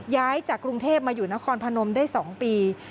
ย้ายจากกรุงเทพมาอยู่นครพนมได้๒ปี